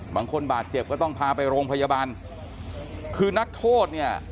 บางคนบาดเจ็บก็ต้องพาไปโรงพยาบาลคือนักโทษเนี่ย